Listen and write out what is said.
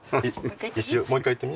もう一回言ってみ？